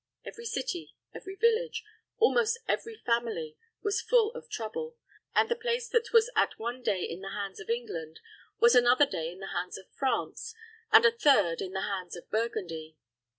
Every city, every village, almost every family was full of trouble, and the place that was at one day in the hands of England was another day in the hands of France, and a third in the hands of Burgundy.